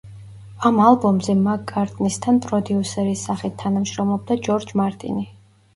ამ ალბომზე მაკ-კარტნისთან პროდიუსერის სახით თანამშრომლობდა ჯორჯ მარტინი.